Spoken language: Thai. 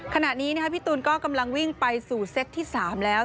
ขณะนี้พี่ตูนก็กำลังวิ่งไปสู่เซตที่๓แล้ว